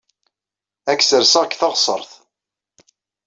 Ad k-sserseɣ deg teɣsert.